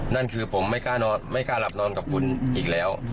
นั่นคือผมไม่กล้าหลับนอนกับคุณอีกแล้ว